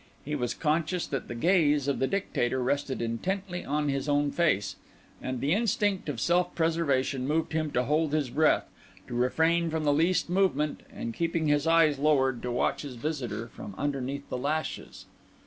He was conscious that the gaze of the Dictator rested intently on his own face; and the instinct of self preservation moved him to hold his breath, to refrain from the least movement, and keeping his eyes lowered, to watch his visitor from underneath the lashes.